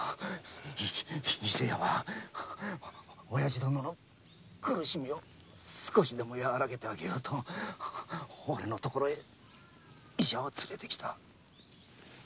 伊勢屋はおやじ殿の苦しみを少しでもやわらげてやるとおれのところへ医者を連れてきた。